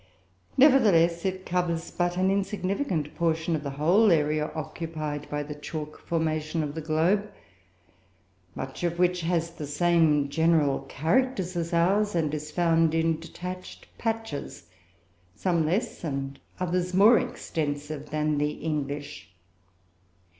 Nevertheless, it covers but an insignificant portion of the whole area occupied by the chalk formation of the globe, much of which has the same general characters as ours, and is found in detached patches, some less, and others more extensive, than the English.